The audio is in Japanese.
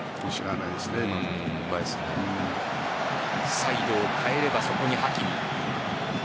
サイドを変えればそこにハキミ。